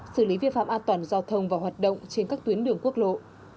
xử lý vi phạm an toàn giao thông và hoạt động trên các tuyến đường quốc lộ